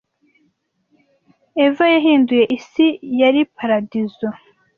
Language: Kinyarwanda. eva yahinduye isi yari paradizo